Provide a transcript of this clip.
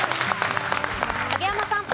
影山さん。